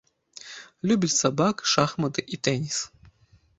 Любіць сабак, шахматы і тэніс.